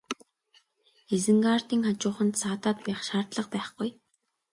Изенгардын хажууханд саатаад байх шаардлага байхгүй.